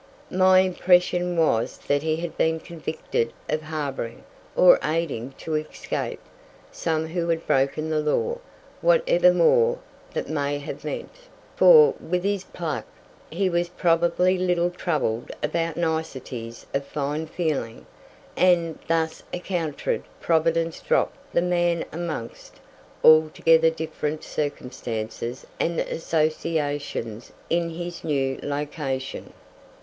My impression was that he had been convicted of harbouring, or aiding to escape, some who had broken the law, whatever more that may have meant, for, with his pluck, he was probably little troubled about niceties of fine feeling, and, thus accoutred, Providence dropped the man amongst altogether different circumstances and associations in his new location.